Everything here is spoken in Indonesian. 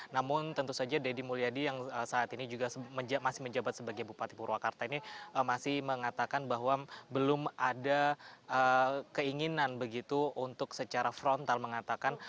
namun tentu saja deddy mulyadi yang saat ini juga masih menjabat sebagai bupati purwakarta ini masih mengatakan bahwa belum ada keinginan begitu untuk secara frontal mengatakan